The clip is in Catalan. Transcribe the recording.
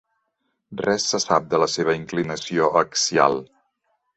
Res se sap de la seva inclinació axial.